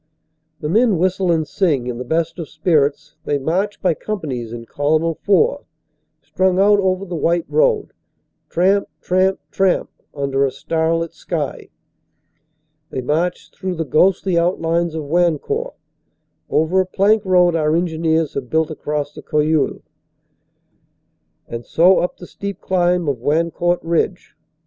The men whistle and sing, in the best of spirits. They march by companies in column of four, strung out over the white road tramp, tramp, tramp, under a starlit sky. They march through the ghostly outlines of Wan court, over a plank road our engineers have built across the Cojeul, and so up the steep climb of Wancourt Ridge.